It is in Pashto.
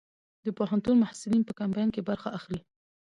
د پوهنتون محصلین په کمپاین کې برخه اخلي؟